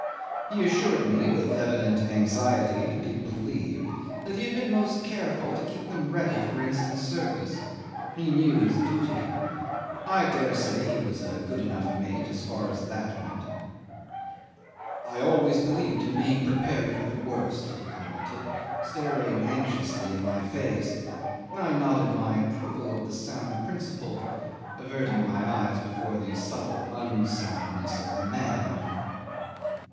He assured me, with evident anxiety to be believed, that he had been most careful to keep them ready for instant service. He knew his duty. I dare say he was a good enough mate as far as that went. "I always believed in being prepared for the worst," he commented, staring anxiously in my face. I nodded my approval of the sound principle, averting my eyes before the subtle unsoundness of the man.